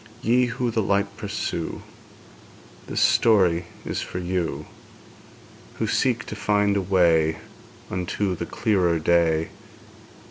Ye who the light pursue, This story is for you, Who seek to find a way Unto the clearer day.